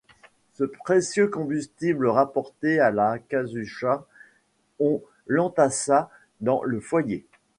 Ce précieux combustible rapporté à la casucha, on l’entassa dans le foyer.